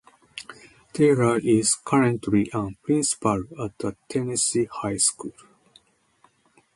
Taylor is currently an principal at a Tennessee high school.